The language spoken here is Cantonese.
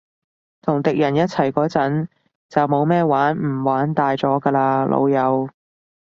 同敵人一齊嗰陣，就冇咩玩唔玩大咗㗎喇，老友